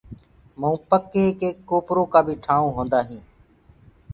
مڪوُ پڪ هي ڪي ڪوپرو ڪآ ٺآيونٚ بي هوندآ هينٚ۔